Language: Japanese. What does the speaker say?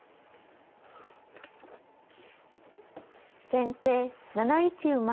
先手７一馬。